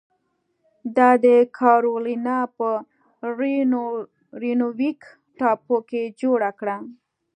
دا د کارولینا په ریونویک ټاپو کې جوړه کړه.